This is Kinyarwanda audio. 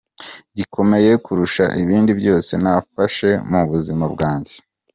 gikomeye kurusha ibindi byose nafashe mu buzima bwanjye,".